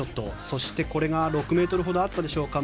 そして、これが６ｍほどあったでしょうか